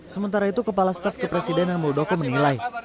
sementara itu kepala staf kepresidenan muldoko menilai